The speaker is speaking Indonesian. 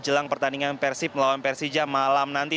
jelang pertandingan persib melawan persija malam nanti